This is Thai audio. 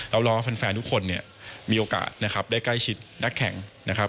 เรารอแฟนทุกคนเนี่ยมีโอกาสนะครับได้ใกล้ชิดนักแข่งนะครับ